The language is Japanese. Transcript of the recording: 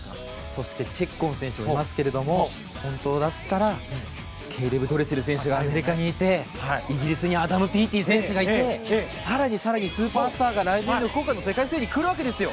そしてチェッコン選手もいますが本当だったらケイレブ・ドレセル選手がアメリカにいて、イギリスにアダム・ピーティ選手がいて更に更にスーパースターが来年の福岡に来るわけですよ。